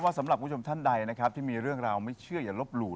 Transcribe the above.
สำหรับคุณผู้ชมท่านใดนะครับที่มีเรื่องราวไม่เชื่ออย่าลบหลู่